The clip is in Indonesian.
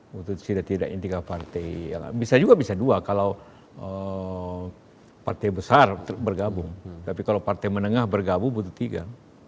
butuh setidaknya tiga partai bisa juga bisa dua kalau partai besar bergabung tapi kalau partai menengah bergabung butuh tiga